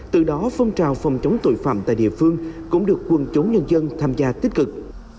từ đó phong trào phòng chống tội phạm tại địa phương cũng được quân chúng nhân dân tham gia tích cực